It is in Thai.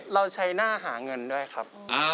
เราใช้หน้าหาเงินด้วยครับ